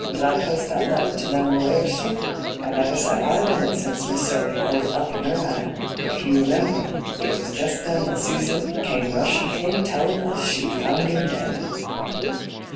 Did I post that letter to them lawyers, sir? I never set eyes on it since Miss Zoe held it up in her 'and. If you remember, it was just then that Susan came rushin' in tellin' us she found 'im dead.'